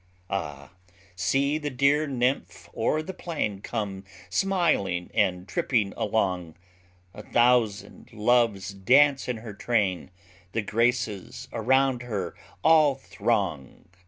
Ah, see the dear nymph o'er the plain Come smiling and tripping along! A thousand Loves dance in her train, The Graces around her all throng.